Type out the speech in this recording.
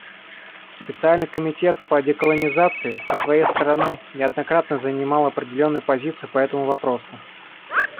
Специальный комитет по деколонизации, со своей стороны, неоднократно занимал определенную позицию по этому вопросу.